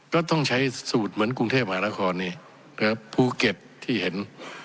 ก็ต้องใช้สูตรเหมือนกรุงเทพมหานครนี่นะครับภูเก็ตที่เห็น